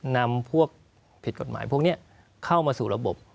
นำพวกผิดกฎหมายพวกนี้เข้ามาสู่ระบบ